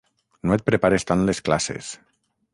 No et prepares tant les classes.